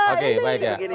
oke baik ya